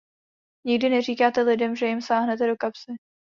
Nikdy neříkáte lidem, že jim sáhnete do kapsy.